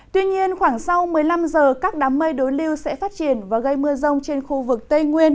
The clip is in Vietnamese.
tuy nhiên khoảng sau một mươi năm giờ các đám mây đối lưu sẽ phát triển và gây mưa rông trên khu vực tây nguyên